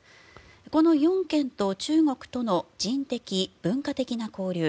この４県と中国との人的・文化的な交流